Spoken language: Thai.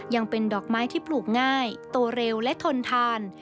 ยังเป็นดอกไม้ที่ปลูกง่ายโตเร็วและทนทาน